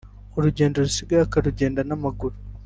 urugendo rusigaye akarugenda n’amaguru